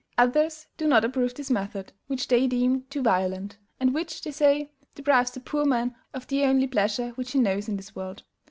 Others do not approve this method, which they deem too violent; and which, they say, deprives the poor man of THE ONLY PLEASURE WHICH HE KNOWS IN THIS WORLD.